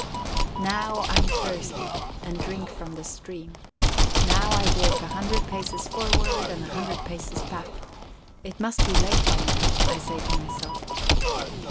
Now I am thirsty, and drink from the stream; now I walk a hundred paces forward and a hundred paces back; it must be late by now, I say to myself.